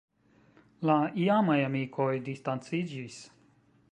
La iamaj amikoj distanciĝis.